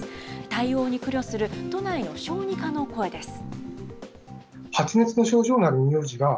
対応に苦慮する都内の小児科の声です。